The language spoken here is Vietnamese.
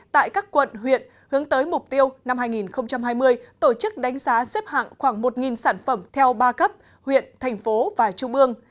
tại các quận huyện hướng tới mục tiêu năm hai nghìn hai mươi tổ chức đánh giá xếp hạng khoảng một sản phẩm theo ba cấp huyện thành phố và trung ương